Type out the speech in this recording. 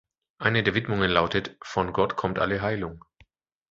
Eine der Widmungen lautet: "„Von Gott kommt alle Heilung.